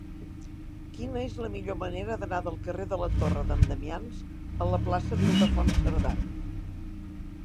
Quina és la millor manera d'anar del carrer de la Torre d'en Damians a la plaça d'Ildefons Cerdà?